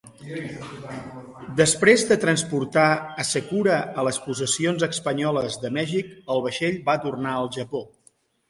Després de transportar Hasekura a les possessions espanyoles de Mèxic, el vaixell va tornar al Japó.